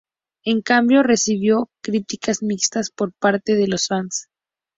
En cambio, recibió críticas mixtas por parte de los fans.